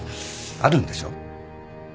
あるんでしょ？